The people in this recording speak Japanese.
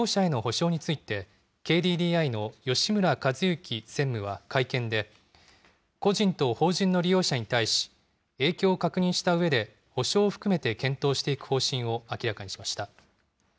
吉村和幸専務は会見で、個人と法人の利用者に対し、影響を確認したうえで、補償を含めて検討していく方針を明らかにしました。